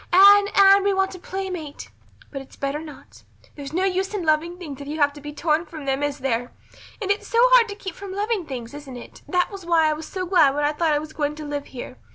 Anne, Anne, we want a playmate' but it's better not. There is no use in loving things if you have to be torn from them, is there? And it's so hard to keep from loving things, isn't it? That was why I was so glad when I thought I was going to live here.